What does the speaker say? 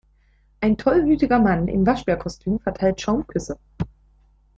Ein tollwütiger Mann in Waschbärkostüm verteilt Schaumküsse.